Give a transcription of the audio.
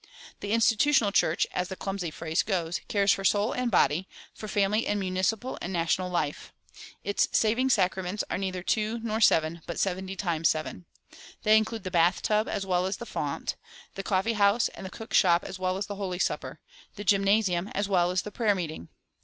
"The Institutional Church," as the clumsy phrase goes, cares for soul and body, for family and municipal and national life. Its saving sacraments are neither two nor seven, but seventy times seven. They include the bath tub as well as the font; the coffee house and cook shop as well as the Holy Supper; the gymnasium as well as the prayer meeting.